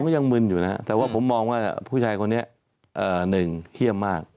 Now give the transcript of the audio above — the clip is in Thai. ผมก็ยังมึนอยู่นะครับแต่ว่าผมมองว่าผู้ชายคนนี้